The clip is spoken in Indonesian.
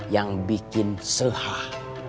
yang bikin sehah